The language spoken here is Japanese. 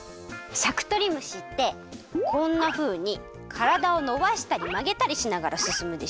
しゃくとりむしってこんなふうにからだをのばしたりまげたりしながらすすむでしょ？